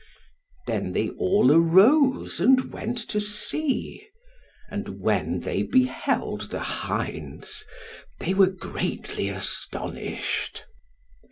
Then they all arose and went to see. And when they beheld the hinds, they were greatly astonished.